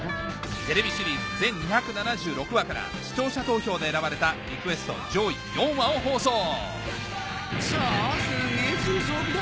テレビシリーズ全２７６話から視聴者投票で選ばれたリクエスト上位４話を放送クソすげぇ重装備だ！